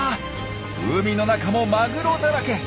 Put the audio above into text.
海の中もマグロだらけ。